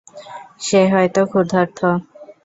সে হয়তো ক্ষুর্ধাত।